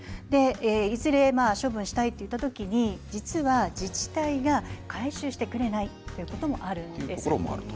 いずれ処分したいという時に実は自治体が回収してくれないということもあるんです。